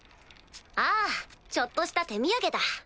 あぁちょっとした手土産だ。